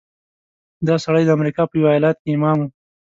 دا سړی د امریکا په یوه ایالت کې امام و.